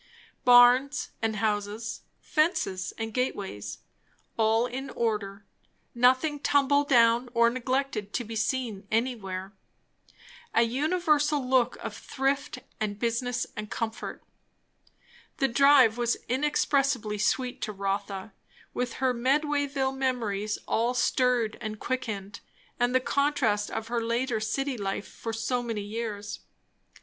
Barns and houses, fences and gateways, all in order; nothing tumble down or neglected to be seen anywhere; an universal look of thrift and business and comfort. The drive was inexpressibly sweet to Rotha, with her Medwayville memories all stirred and quickened, and the contrast of her later city life for so many years.